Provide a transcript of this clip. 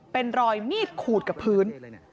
เป็นรอยมีดขูดกับพื้น